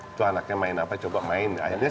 itu anaknya main apa coba main akhirnya